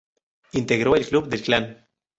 Integró El Club del Clan.